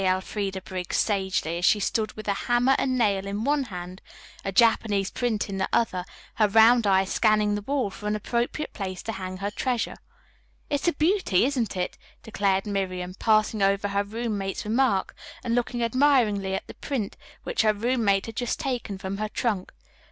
Elfreda Briggs sagely, as she stood with a hammer and nail in one hand, a Japanese print in the other, her round eyes scanning the wall for an appropriate place to hang her treasure. "It's a beauty, isn't it?" declared Miriam, passing over her roommate's remark and looking admiringly at the print, which her roommate had just taken from her trunk.